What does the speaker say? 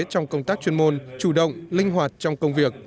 trong công tác chuyên môn chủ động linh hoạt trong công việc